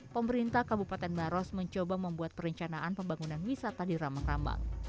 pemerintah kabupaten baros mencoba membuat perencanaan pembangunan wisata di rambang rambang